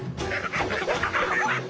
ハハハッハ！